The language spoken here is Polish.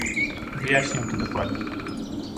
Wyjaśnię to dokładniej